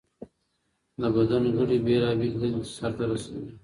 د بدن غړي بېلابېلې دندې سرته رسوي.